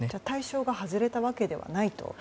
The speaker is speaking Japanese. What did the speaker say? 対象が外れたわけではないと。